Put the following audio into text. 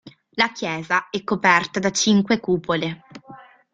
La chiesa è coperta da cinque cupole.